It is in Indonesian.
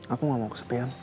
aku gak mau kesepian